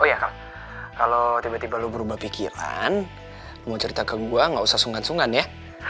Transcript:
oh iya kak kalo tiba tiba lo berubah pikiran lo mau cerita ke gue gak usah sungan sungan ya